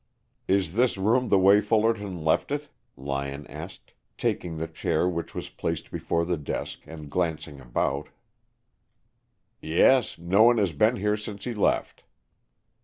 "Is this room the way Fullerton left it?" Lyon asked, taking the chair which was placed before the desk, and glancing about. "Yes. No one has been here since he left."